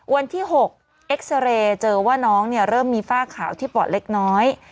วันที่๖เอ็กซาเรย์เจอว่าน้องเริ่มมีฝ้าขาวที่ปอดเล็กน้อย